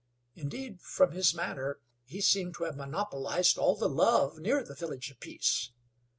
Indeed, from his manner, he seemed to have monopolized all the love near the Village of Peace."